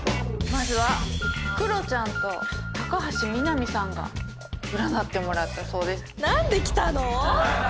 まずはクロちゃんと高橋みなみさんが占ってもらったそうです。